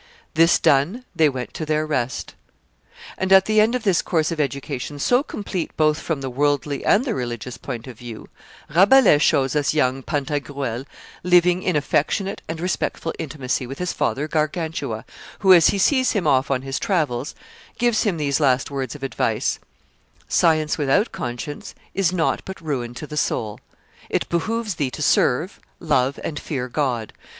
This done, they went to their rest.' And at the end of this course of education, so complete both from the worldly and the religious point of view, Rabelais shows us young Pantagruel living in affectionate and respectful intimacy with his father Gargantua, who, as he sees him off on his travels, gives him these last words of advice: Science without conscience is nought but ruin to the soul; it behooves thee to serve, love, and fear God.